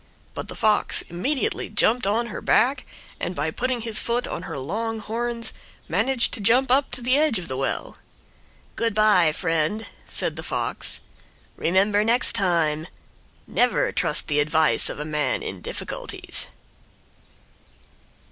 But the Fox immediately jumped on her back, and by putting his foot on her long horns managed to jump up to the edge of the well. "Good by, friend," said the Fox;—"remember next time, "NEVER TRUST THE ADVICE OF A MAN IN DIFFICULTIES."